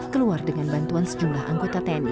keluar dengan bantuan sejumlah anggota tni